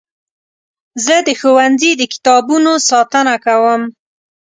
زه د ښوونځي د کتابونو ساتنه کوم.